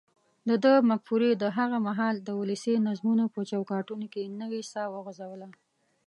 دده مفکورې د هغه مهال د ولسي نظمونو په چوکاټونو کې نوې ساه وغځوله.